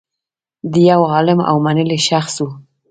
دی یو عالم او منلی شخص و